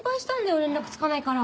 連絡つかないから。